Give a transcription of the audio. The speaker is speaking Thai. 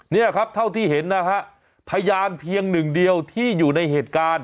เนี่ยครับเท่าที่เห็นนะฮะพยานเพียงหนึ่งเดียวที่อยู่ในเหตุการณ์